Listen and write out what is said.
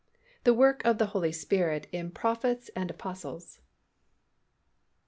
THE WORK OF THE HOLY SPIRIT IN PROPHETS AND APOSTLES.